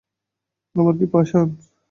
আমরা কি পাষাণ?